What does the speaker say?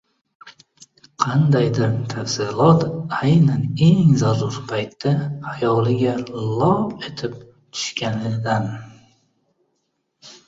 qandaydir tafsilot aynan eng zarur paytda xayoliga lop etib tushganidan